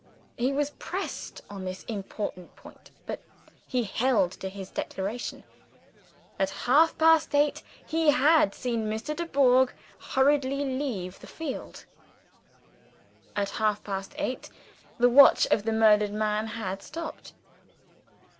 He was pressed on this important point; but he held to his declaration. At half past eight he had seen Mr. Dubourg hurriedly leave the field. At half past eight the watch of the murdered man had stopped.